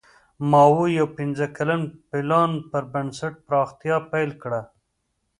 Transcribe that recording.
ماوو د یو پنځه کلن پلان پر بنسټ پراختیا پیل کړه.